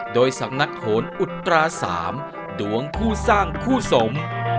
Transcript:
โดยสำนักโหนอุตรา๓ดวงผู้สร้างคู่สม